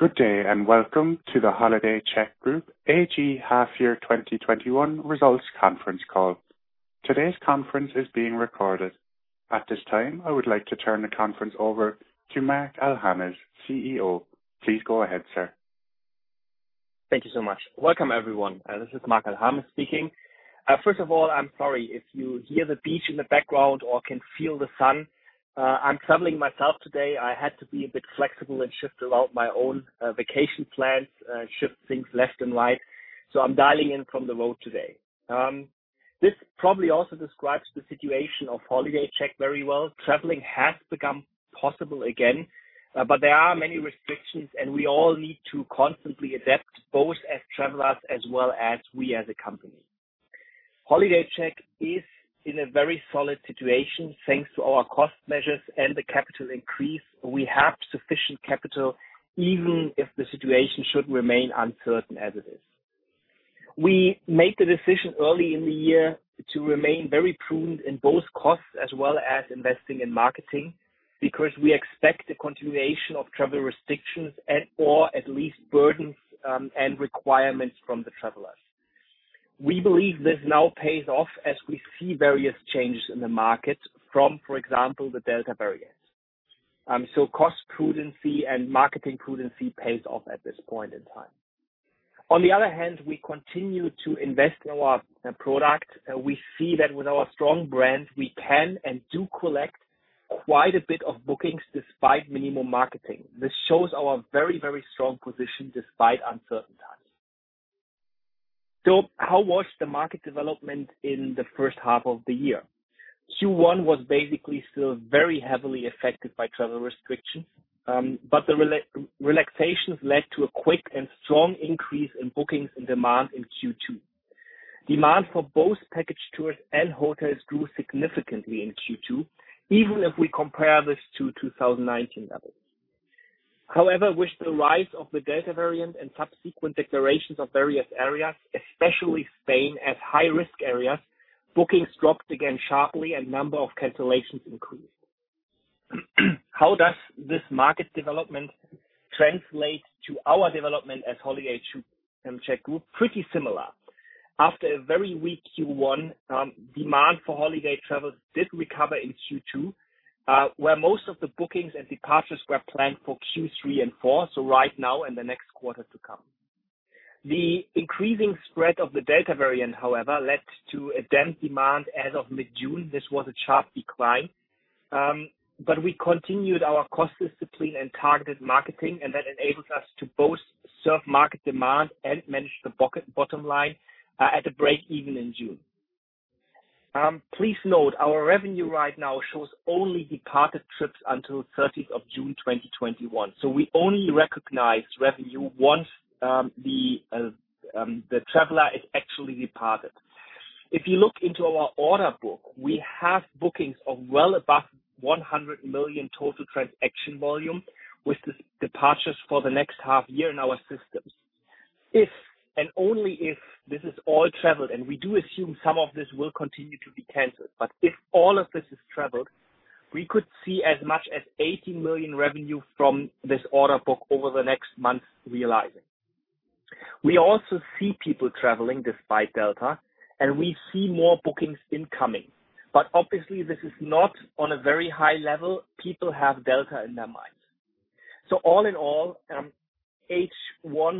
Good day, welcome to the HolidayCheck Group AG Half-Year 2021 Results Conference Call. Today's conference is being recorded. At this time, I would like to turn the conference over to Marc Al-Hames, CEO. Please go ahead, sir. Thank you so much. Welcome, everyone. This is Marc Al-Hames speaking. First of all, I'm sorry if you hear the beach in the background or can feel the sun. I'm traveling myself today. I had to be a bit flexible and shift around my own vacation plans, shift things left and right, so I'm dialing in from the road today. This probably also describes the situation of HolidayCheck very well. Traveling has become possible again, but there are many restrictions, and we all need to constantly adapt, both as travelers as well as we as a company. HolidayCheck is in a very solid situation thanks to our cost measures and the capital increase. We have sufficient capital even if the situation should remain uncertain as it is. We made the decision early in the year to remain very prudent in both costs as well as investing in marketing because we expect the continuation of travel restrictions and/or at least burdens and requirements from the travelers. We believe this now pays off as we see various changes in the market from, for example, the Delta variant. Cost prudency and marketing prudency pays off at this point in time. On the other hand, we continue to invest in our product. We see that with our strong brand, we can and do collect quite a bit of bookings despite minimal marketing. This shows our very, very strong position despite uncertain times. How was the market development in the first half of the year? Q1 was basically still very heavily affected by travel restrictions, but the relaxations led to a quick and strong increase in bookings and demand in Q2. Demand for both package tours and hotels grew significantly in Q2, even if we compare this to 2019 levels. However, with the rise of the Delta variant and subsequent declarations of various areas, especially Spain, as high-risk areas, bookings dropped again sharply and number of cancellations increased. How does this market development translate to our development as HolidayCheck Group? Pretty similar. After a very weak Q1, demand for holiday travels did recover in Q2, where most of the bookings and departures were planned for Q3 and Q4, so right now and the next quarter to come. The increasing spread of the Delta variant, however, led to a damp demand as of mid-June. This was a sharp decline. We continued our cost discipline and targeted marketing, and that enabled us to both serve market demand and manage the bottom line at a break-even in June. Please note our revenue right now shows only departed trips until 30th of June 2021. We only recognize revenue once the traveler is actually departed. If you look into our order book, we have bookings of well above 100 million total transaction volume with departures for the next half year in our systems. If and only if this is all traveled, and we do assume some of this will continue to be canceled, but if all of this is traveled, we could see as much as 80 million revenue from this order book over the next month realizing. We also see people traveling despite Delta, and we see more bookings incoming. Obviously this is not on a very high level. People have Delta in their minds. All in all, H1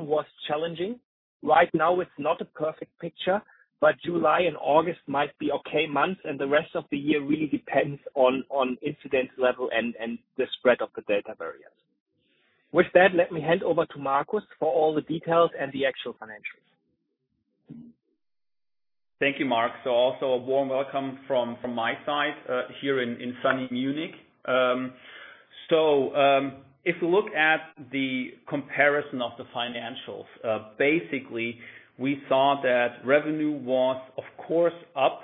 was challenging. Right now it's not a perfect picture, but July and August might be okay months, and the rest of the year really depends on incidence level and the spread of the Delta variant. With that, let me hand over to Marcus for all the details and the actual financials. Thank you, Marc. Also a warm welcome from my side, here in sunny Munich. If you look at the comparison of the financials, basically, we saw that revenue was of course up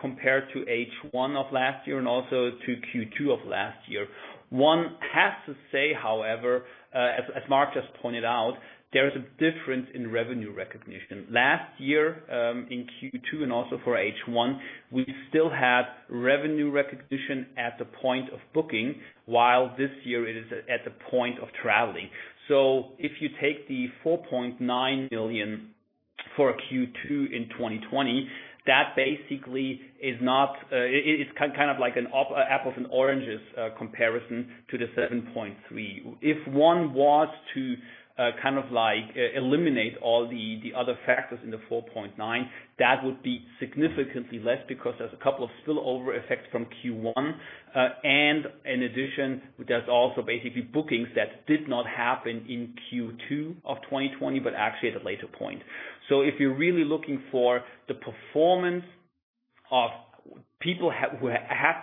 compared to H1 of last year and also to Q2 of last year. One has to say, however, as Marc just pointed out, there is a difference in revenue recognition. Last year, in Q2 and also for H1, we still had revenue recognition at the point of booking, while this year it is at the point of traveling. If you take the 4.9 million for Q2 in 2020, that basically is kind of like an apples and oranges comparison to the 7.3 million. If one was to eliminate all the other factors in the 4.9 million, that would be significantly less because there's a couple of spillover effects from Q1. In addition, there's also basically bookings that did not happen in Q2 of 2020, but actually at a later point. If you're really looking for the performance of people who have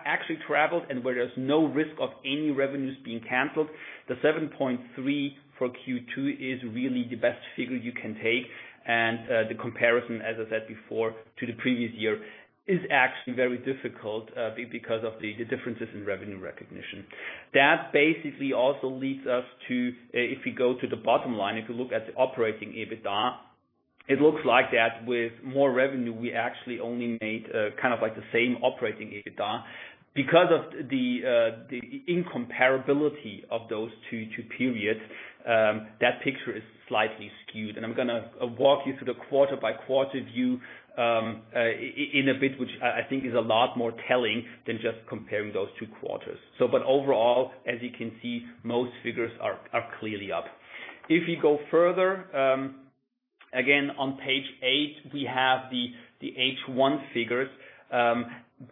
actually traveled and where there's no risk of any revenues being canceled, the 7.3 for Q2 is really the best figure you can take, and the comparison, as I said before, to the previous year is actually very difficult because of the differences in revenue recognition. That basically also leads us to, if we go to the bottom line, if you look at the operating EBITDA. It looks like that with more revenue, we actually only made the same operating EBITDA. Because of the incomparability of those two periods, that picture is slightly skewed. I'm going to walk you through the quarter-by-quarter view in a bit, which I think is a lot more telling than just comparing those two quarters. Overall, as you can see, most figures are clearly up. If you go further, again, on page 8, we have the H1 figures.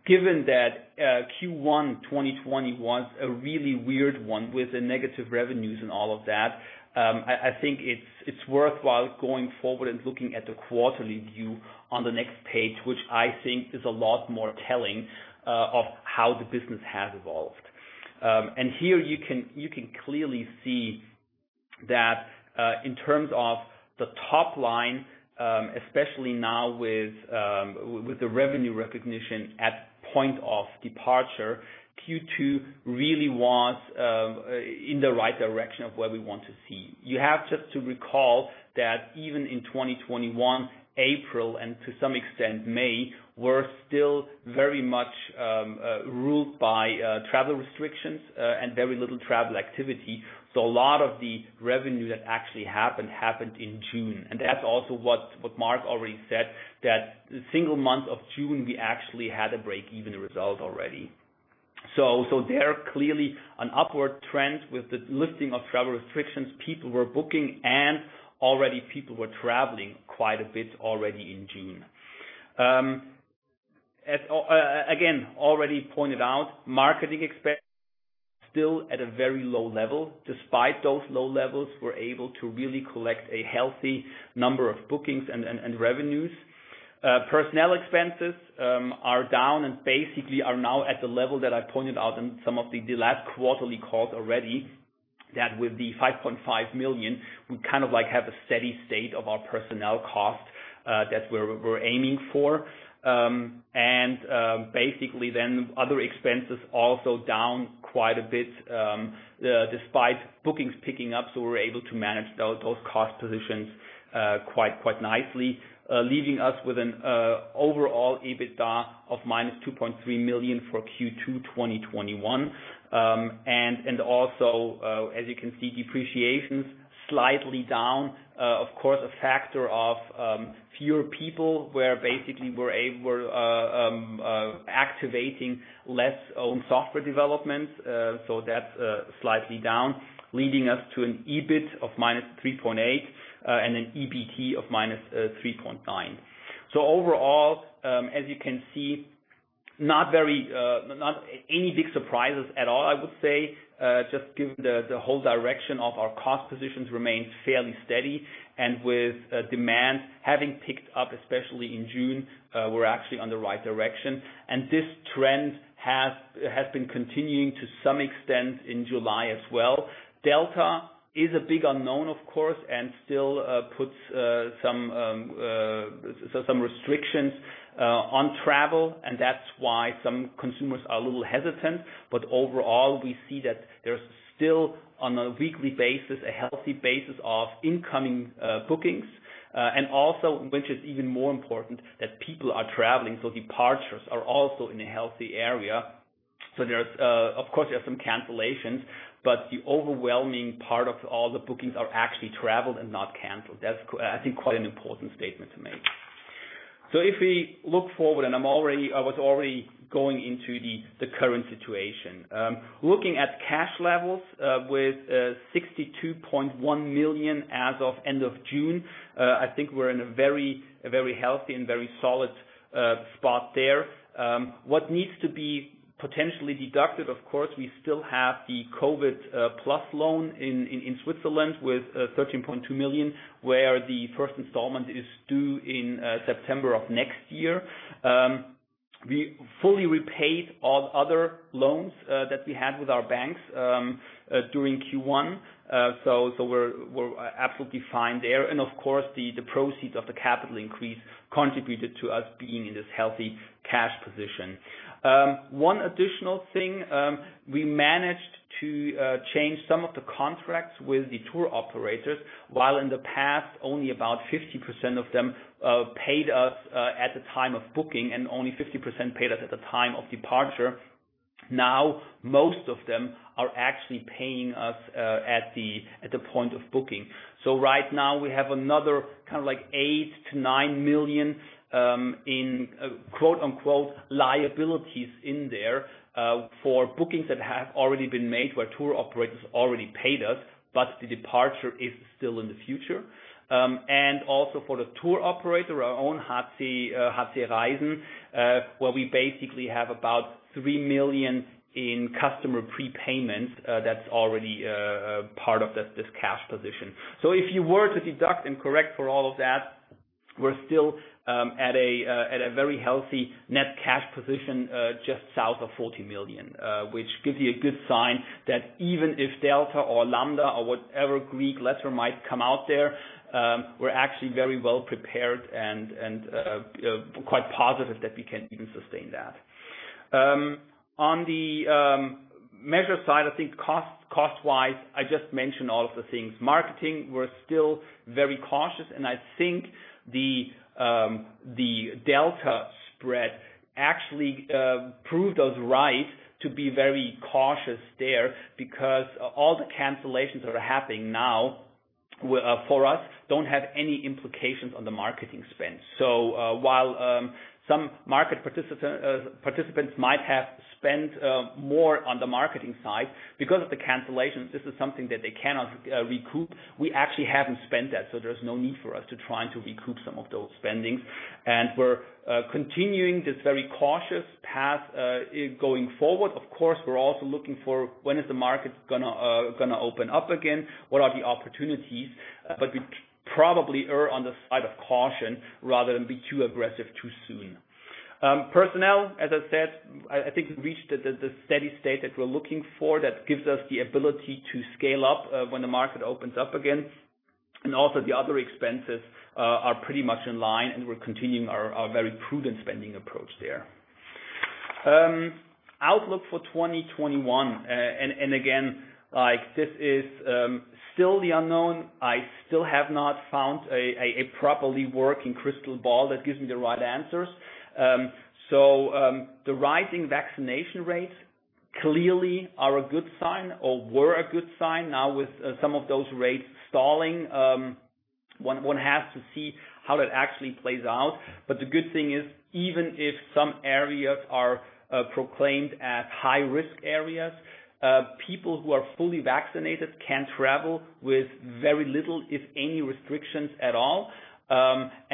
Given that Q1 2020 was a really weird one with the negative revenues and all of that, I think it's worthwhile going forward and looking at the quarterly view on the next page, which I think is a lot more telling of how the business has evolved. Here you can clearly see that, in terms of the top line, especially now with the revenue recognition at point of departure, Q2 really was in the right direction of where we want to see. You have just to recall that even in 2021, April, and to some extent May, were still very much ruled by travel restrictions and very little travel activity. A lot of the revenue that actually happened in June. That's also what Marc already said, that the single month of June, we actually had a break-even result already. There, clearly an upward trend with the lifting of travel restrictions. People were booking and already people were traveling quite a bit already in June. Again, already pointed out, marketing expense still at a very low level. Despite those low levels, we're able to really collect a healthy number of bookings and revenues. Personnel expenses are down and basically are now at the level that I pointed out in some of the last quarterly calls already, that with the 5.5 million, we have a steady state of our personnel cost that we're aiming for. Basically other expenses also down quite a bit, despite bookings picking up. We're able to manage those cost positions quite nicely, leaving us with an overall EBITDA of -2.3 million for Q2 2021. Also, as you can see, depreciations slightly down. Of course, a factor of fewer people where basically we're activating less own software development. That's slightly down, leading us to an EBITDA of -3.8 million and an EBT of -3.9 million. Overall, as you can see, not any big surprises at all, I would say. Just given the whole direction of our cost positions remains fairly steady, and with demand having picked up, especially in June, we're actually on the right direction. This trend has been continuing to some extent in July as well. Delta is a big unknown, of course, and still puts some restrictions on travel, and that's why some consumers are a little hesitant. Overall, we see that there's still, on a weekly basis, a healthy basis of incoming bookings, and also, which is even more important, that people are traveling. Departures are also in a healthy area. Of course, there's some cancellations, but the overwhelming part of all the bookings are actually traveled and not canceled. That's, I think, quite an important statement to make. If we look forward, and I was already going into the current situation. Looking at cash levels, with 62.1 million as of end of June, I think we're in a very healthy and very solid spot there. What needs to be potentially deducted, of course, we still have the COVID-19 Plus loan in Switzerland with 13.2 million, where the first installment is due in September of next year. We fully repaid all other loans that we had with our banks during Q1, we're absolutely fine there. Of course, the proceeds of the capital increase contributed to us being in this healthy cash position. One additional thing, we managed to change some of the contracts with the tour operators. While in the past, only about 50% of them paid us at the time of booking and only 50% paid us at the time of departure, now most of them are actually paying us at the point of booking. Right now we have another 8 million-9 million in "liabilities" in there, for bookings that have already been made, where tour operators already paid us, but the departure is still in the future. Also for the tour operator, our own HolidayCheck Reisen, where we basically have about 3 million in customer prepayments. That's already part of this cash position. If you were to deduct and correct for all of that, we're still at a very healthy net cash position, just south of 40 million, which gives you a good sign that even if Delta or Lambda or whatever Greek letter might come out there, we're actually very well prepared and quite positive that we can even sustain that. On the measure side, I think cost-wise, I just mentioned all of the things. Marketing, we're still very cautious, and I think the Delta spread actually proved us right to be very cautious there, because all the cancellations that are happening now, for us, don't have any implications on the marketing spend. While some market participants might have spent more on the marketing side, because of the cancellations, this is something that they cannot recoup. We actually haven't spent that, so there's no need for us to try to recoup some of those spendings. We're continuing this very cautious path going forward. Of course, we're also looking for when is the market going to open up again, what are the opportunities? We probably err on the side of caution rather than be too aggressive too soon. Personnel, as I said, I think we've reached the steady state that we're looking for that gives us the ability to scale up when the market opens up again. Also the other expenses are pretty much in line, and we're continuing our very prudent spending approach there. Outlook for 2021. Again, this is still the unknown. I still have not found a properly working crystal ball that gives me the right answers. The rising vaccination rates clearly are a good sign or were a good sign. Now with some of those rates stalling, one has to see how that actually plays out. The good thing is, even if some areas are proclaimed as high-risk areas, people who are fully vaccinated can travel with very little, if any, restrictions at all.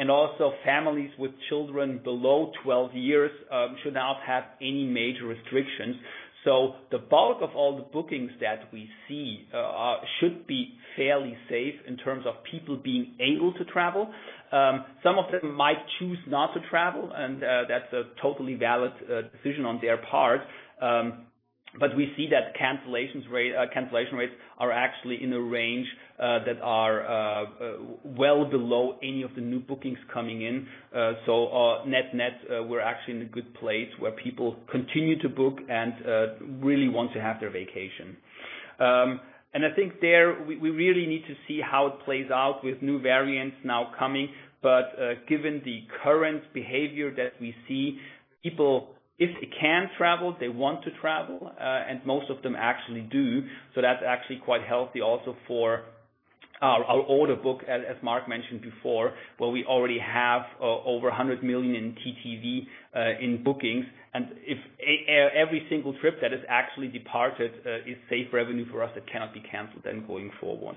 Also families with children below 12 years should not have any major restrictions. The bulk of all the bookings that we see should be fairly safe in terms of people being able to travel. Some of them might choose not to travel, and that's a totally valid decision on their part. We see that cancellation rates are actually in a range that are well below any of the new bookings coming in. net-net, we're actually in a good place where people continue to book and really want to have their vacation. I think there, we really need to see how it plays out with new variants now coming. given the current behavior that we see, people, if they can travel, they want to travel, and most of them actually do. That's actually quite healthy also for our order book, as Marc mentioned before, where we already have over 100 million in TTV in bookings. If every single trip that is actually departed is safe revenue for us, that cannot be canceled then going forward.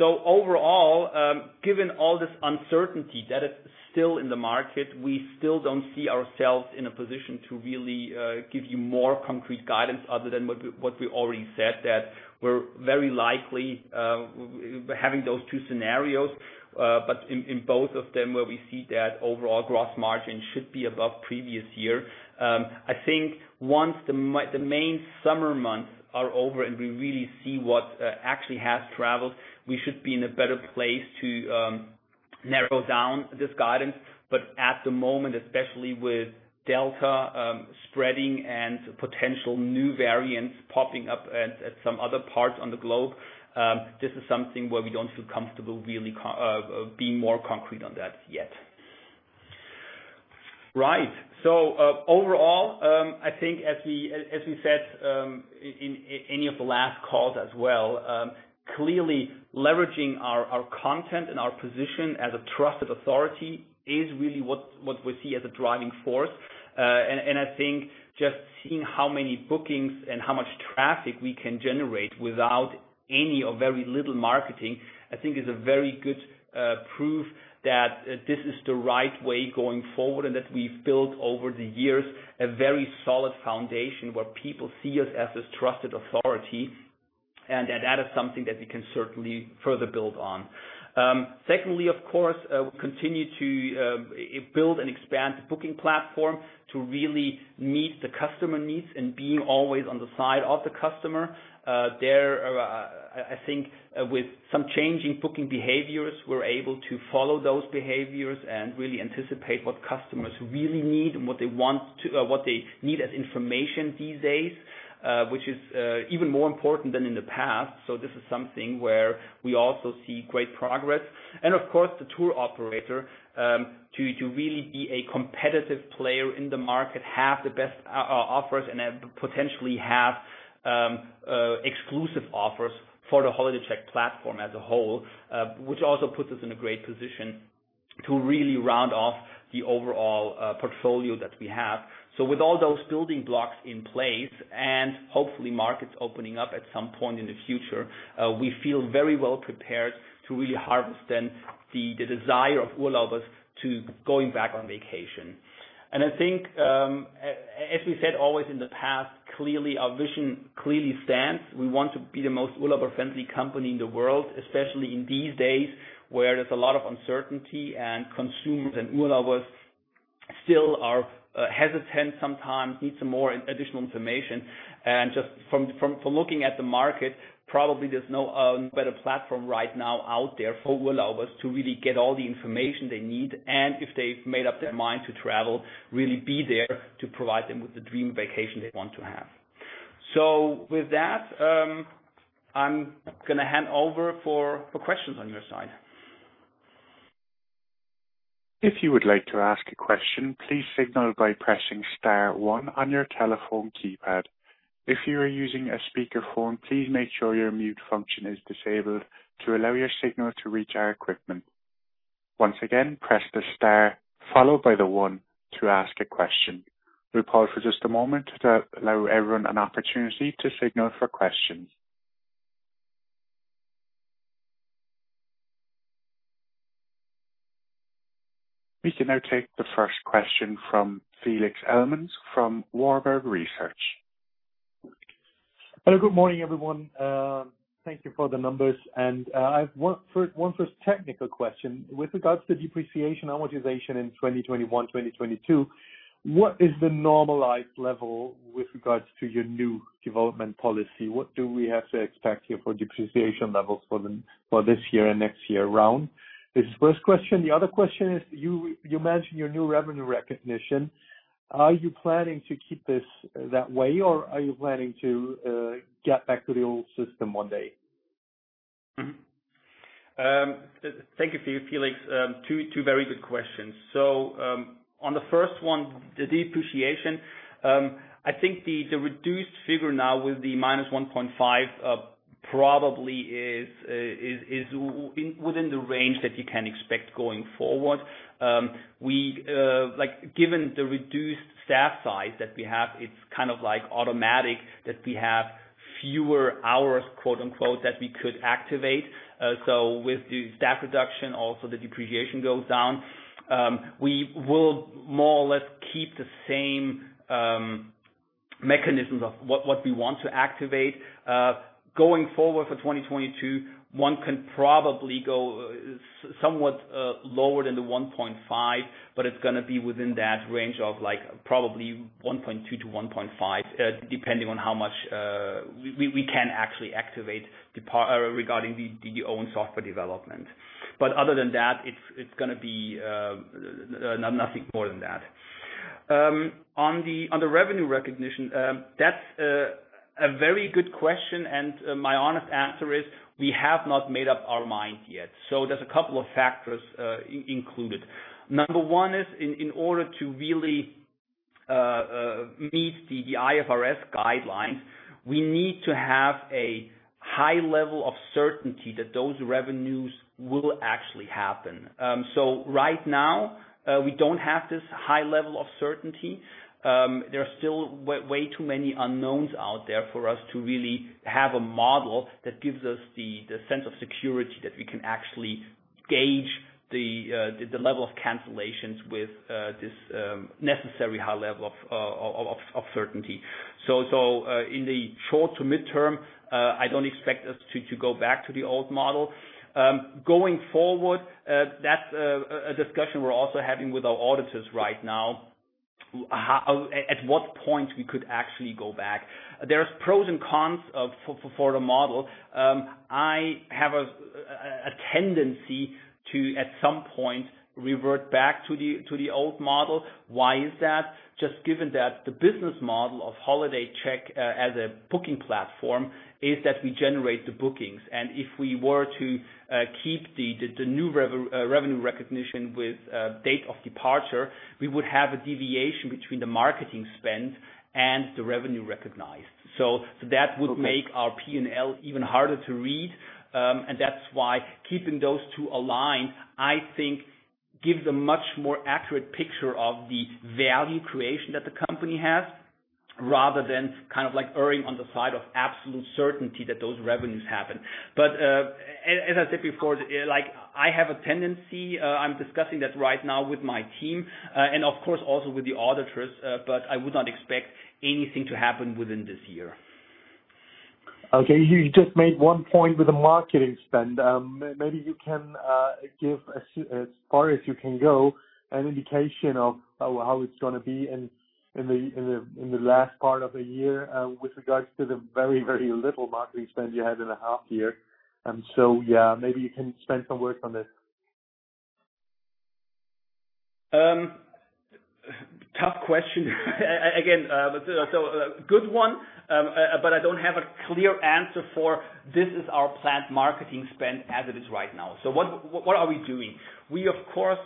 Overall, given all this uncertainty that is still in the market, we still don't see ourselves in a position to really give you more concrete guidance other than what we already said, that we're very likely having those three scenarios, but in both of them where we see that overall gross margin should be above previous year. I think once the main summer months are over and we really see what actually has traveled, we should be in a better place to narrow down this guidance. At the moment, especially with Delta spreading and potential new variants popping up at some other parts on the globe, this is something where we don't feel comfortable really being more concrete on that yet. Overall, I think as we said in any of the last calls as well, clearly leveraging our content and our position as a trusted authority is really what we see as a driving force. I think just seeing how many bookings and how much traffic we can generate without any or very little marketing, I think is a very good proof that this is the right way going forward and that we've built over the years a very solid foundation where people see us as this trusted authority, and that that is something that we can certainly further build on. Secondly, of course, we continue to build and expand the booking platform to really meet the customer needs and being always on the side of the customer. There, I think with some changing booking behaviors, we're able to follow those behaviors and really anticipate what customers really need and what they need as information these days, which is even more important than in the past. This is something where we also see great progress. Of course, the tour operator, to really be a competitive player in the market, have the best offers, and potentially have exclusive offers for the HolidayCheck platform as a whole, which also puts us in a great position to really round off the overall portfolio that we have. With all those building blocks in place, and hopefully markets opening up at some point in the future, we feel very well prepared to really harvest then the desire of Urlaubers to going back on vacation. I think, as we said always in the past, clearly our vision clearly stands. We want to be the most Urlauber-friendly company in the world, especially in these days where there's a lot of uncertainty and consumers and Urlaubers still are hesitant sometimes, need some more additional information. Just from looking at the market, probably there's no better platform right now out there for Urlaubers to really get all the information they need, and if they've made up their mind to travel, really be there to provide them with the dream vacation they want to have. With that, I'm going to hand over for questions on your side. If you would like to ask a question, please signal by pressing star one on your telephone keypad. If you are using a speakerphone, please make sure your mute function is disabled to allow your signal to reach our equipment. Once again, press the star followed by the one to ask a question. We'll pause for just a moment to allow everyone an opportunity to signal for questions. We can now take the first question from Felix Ellmann from Warburg Research. Hello, good morning, everyone. Thank you for the numbers. I have one first technical question. With regards to depreciation amortization in 2021, 2022, what is the normalized level with regards to your new development policy? What do we have to expect here for depreciation levels for this year and next year around? This is first question. The other question is, you mentioned your new revenue recognition. Are you planning to keep this that way, or are you planning to get back to the old system one day? Thank you, Felix Ellmann. Two very good questions. On the first one, the depreciation, I think the reduced figure now with the minus 1.5 probably is within the range that you can expect going forward. Given the reduced staff size that we have, it's kind of automatic that we have fewer hours, quote unquote, "that we could activate." With the staff reduction, also the depreciation goes down. We will more or less keep the same mechanisms of what we want to activate. Going forward for 2022, one can probably go somewhat lower than the 1.5, but it's going to be within that range of probably 1.2-1.5, depending on how much we can actually activate regarding the own software development. Other than that, it's going to be nothing more than that. On the revenue recognition, that's a very good question, and my honest answer is we have not made up our mind yet. There's a couple of factors included. Number one is in order to really meet the IFRS guidelines, we need to have a high level of certainty that those revenues will actually happen. Right now, we don't have this high level of certainty. There are still way too many unknowns out there for us to really have a model that gives us the sense of security that we can actually gauge the level of cancellations with this necessary high level of certainty. In the short to midterm, I don't expect us to go back to the old model. Going forward, that's a discussion we're also having with our auditors right now, at what point we could actually go back. There's pros and cons for the model. I have a tendency to, at some point, revert back to the old model. Why is that? Just given that the business model of HolidayCheck as a booking platform is that we generate the bookings, and if we were to keep the new revenue recognition with date of departure, we would have a deviation between the marketing spend and the revenue recognized. That would make our P&L even harder to read, and that's why keeping those two aligned, I think, gives a much more accurate picture of the value creation that the company has, rather than kind of erring on the side of absolute certainty that those revenues happen. As I said before, I have a tendency, I'm discussing that right now with my team, and of course also with the auditors, but I would not expect anything to happen within this year. Okay. You just made one point with the marketing spend. Maybe you can give, as far as you can go, an indication of how it's going to be in the last part of the year with regards to the very, very little marketing spend you had in the half year. Yeah, maybe you can spend some words on this. Tough question. Again, a good one, but I don't have a clear answer for, "This is our planned marketing spend as it is right now." What are we doing? We observe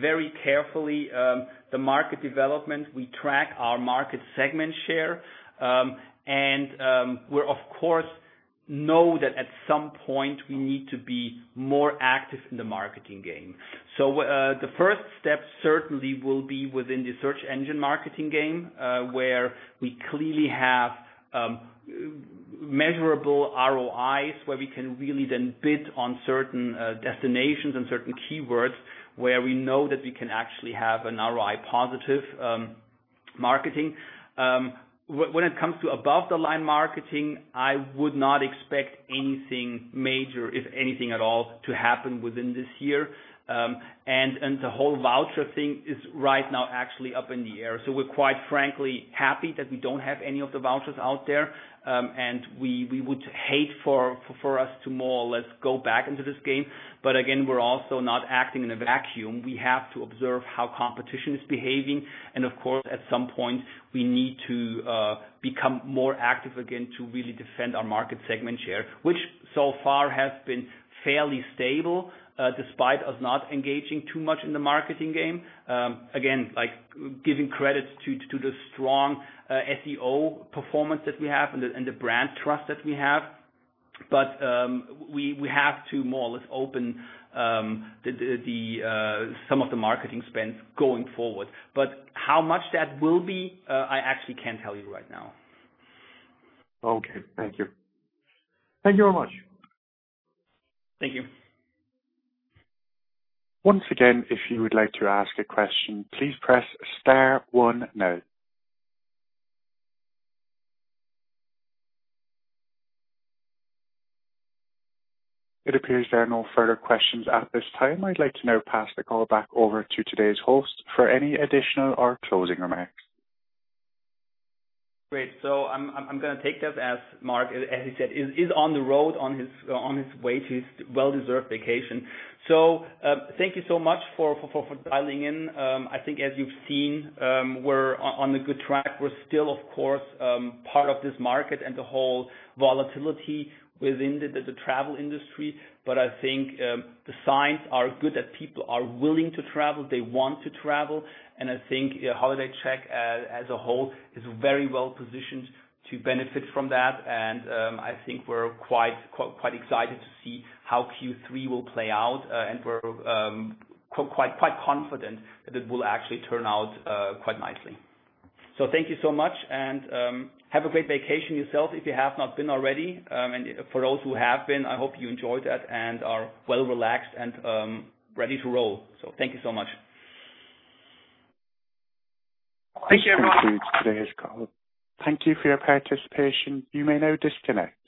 very carefully the market development. We track our market segment share. We of course know that at some point we need to be more active in the marketing game. The first step certainly will be within the search engine marketing game, where we clearly have measurable ROIs, where we can really then bid on certain destinations and certain keywords, where we know that we can actually have an ROI-positive marketing. When it comes to above-the-line marketing, I would not expect anything major, if anything at all, to happen within this year. The whole voucher thing is right now actually up in the air. We're quite frankly happy that we don't have any of the vouchers out there. We would hate for us to more or less go back into this game. Again, we're also not acting in a vacuum. We have to observe how competition is behaving, and of course, at some point, we need to become more active again to really defend our market segment share, which so far has been fairly stable, despite us not engaging too much in the marketing game. Again, giving credits to the strong SEO performance that we have and the brand trust that we have. We have to more or less open some of the marketing spends going forward. How much that will be, I actually can't tell you right now. Okay. Thank you. Thank you very much. Thank you. Once again, if you would like to ask a question, please press star one now. It appears there are no further questions at this time. I'd like to now pass the call back over to today's host for any additional or closing remarks. Great. I'm going to take this as Marc, as he said, is on the road on his way to his well-deserved vacation. Thank you so much for dialing in. I think as you've seen, we're on a good track. We're still, of course, part of this market and the whole volatility within the travel industry. I think the signs are good that people are willing to travel, they want to travel, and I think HolidayCheck, as a whole, is very well-positioned to benefit from that. I think we're quite excited to see how Q3 will play out. We're quite confident that it will actually turn out quite nicely. Thank you so much, and have a great vacation yourself if you have not been already. For those who have been, I hope you enjoyed it and are well relaxed and ready to roll. Thank you so much. Thank you very much. This concludes today's call. Thank you for your participation. You may now disconnect.